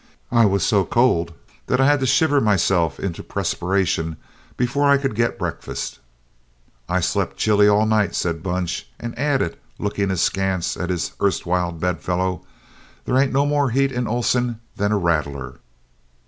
"I was so cold that I had to shiver myself into a pressperation before I could get breakfast." "I slept chilly all night," said Bunch, and added, looking askance at his erstwhile bed fellow, "They ain't no more heat in Oleson than a rattler."